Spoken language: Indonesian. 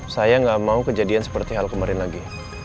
saya nggak mau kejadian seperti hal kemarin lagi